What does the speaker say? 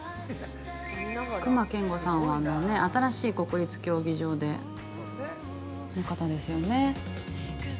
隈研吾さんは新しい国立競技場の方ですよね。